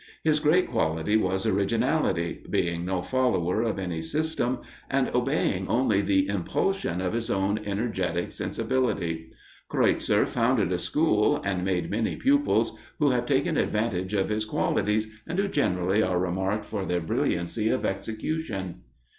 His great quality was originality, being no follower of any system, and obeying only the impulsion of his own energetic sensibility. Kreutzer founded a school, and made many pupils, who have taken advantage of his qualities, and who generally, are remarked for their brilliancy of execution.